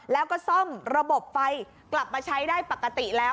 แล้วก็ซ่อมระบบไฟกลับมาใช้ได้ปกติแล้ว